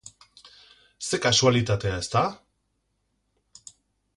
Zer kasualitatea, ezta?